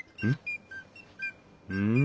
うん？